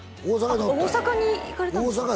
大阪に行かれたんですか？